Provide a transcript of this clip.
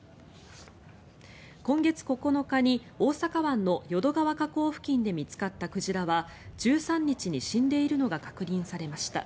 今月９日に大阪湾の淀川河口付近で見つかった鯨は１３日に死んでいるのが確認されました。